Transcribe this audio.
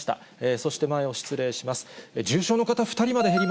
そして前を失礼します。